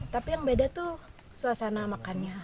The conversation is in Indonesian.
tapi yang beda tuh suasana makannya